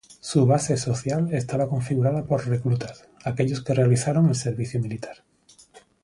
Su base social estaba configurada por reclutas, aquellos que realizaron el servicio militar.